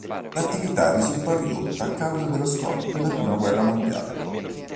L'attività risultò ridotta a causa dello scoppio della prima guerra mondiale.